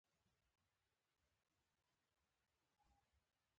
تیمور شاه پتېیلې وه چې ملتان به فتح کوي.